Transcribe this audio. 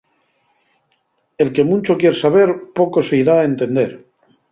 El que muncho quier saber, poco se-y da a entender.